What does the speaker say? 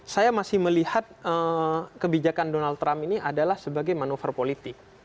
saya masih melihat kebijakan donald trump ini adalah sebagai manuver politik